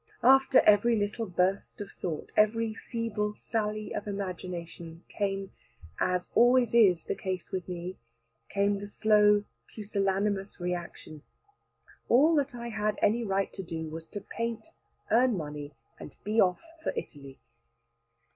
After every little burst of thought, every feeble sally of imagination, came (as always is the case with me) came the slow pusillanimous reaction. All that I had any right to do was to paint, earn money, and be off for Italy.